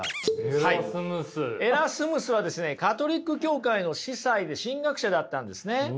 エラスムスはカトリック教会の司祭で神学者だったんですね。